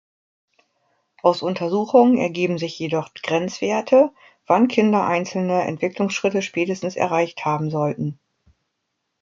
Aus Untersuchungen ergeben sich jedoch Grenzwerte, wann Kinder einzelne Entwicklungsschritte spätestens erreicht haben sollten.